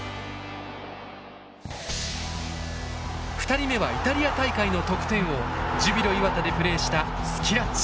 ２人目はイタリア大会の得点王ジュビロ磐田でプレーしたスキラッチ。